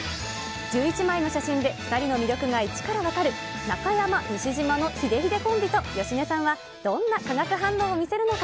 １１枚の写真で２人の魅力が１からわかる、中山・西島のヒデヒデコンビと芳根さんは、どんな化学反応を見せるのか？